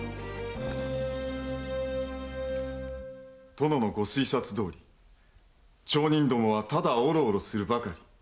殿のご推察どおり町人どもはただおろおろするばかり。